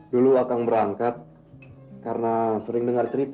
dulu akan berangkat karena sering dengar cerita